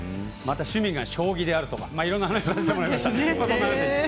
趣味が将棋であるとかいろんな話させてもらいました。